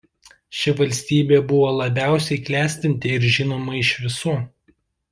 Ši valstybė buvo labiausiai klestinti ir žinoma iš visų.